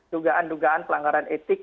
tugaan tugaan pelanggaran etik